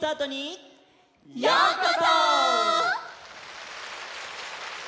ようこそ。